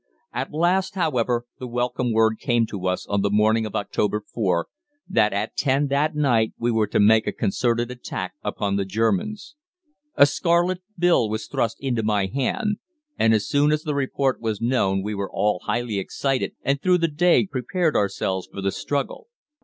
"At last, however, the welcome word came to us on the morning of October 4, that at ten that night we were to make a concerted attack upon the Germans. A scarlet bill was thrust into my hand, and as soon as the report was known we were all highly excited, and through the day prepared ourselves for the struggle.